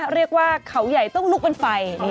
เรียกว่าเขาใหญ่ต้องลุกเป็นไฟ